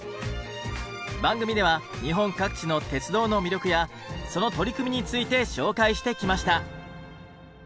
番組では日本各地の鉄道の魅力やその取り組みについて紹介してきました。